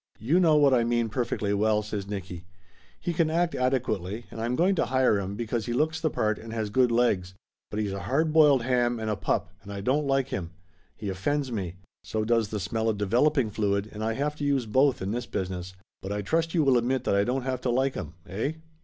"You know what I mean perfectly well," says Nicky. "He can act adequately, and I'm going to hire him because he looks the part and has good legs. But he's a hard boiled ham and a pup and I don't like him. He offends me. So does the smell of developing fluid, and I have to use both in this business. But I trust you will admit I don't have to like 'em eh?"